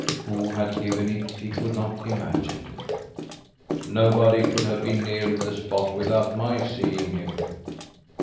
Who had given it he could not imagine. "Nobody could have been near the spot without my seeing him."